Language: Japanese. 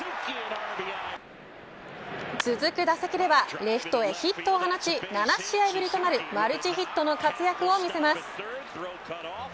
続く打席ではレフトへヒットを放ち７試合ぶりとなるマルチヒットの活躍を見せます。